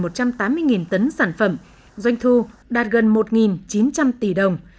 công ty đã sản xuất được gần một trăm tám mươi tấn sản phẩm doanh thu đạt gần một chín trăm linh tỷ đồng